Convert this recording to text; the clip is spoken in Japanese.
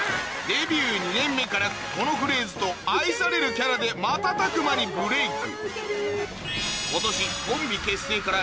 デビュー２年目からこのフレーズと愛されるキャラで瞬く間にブレイク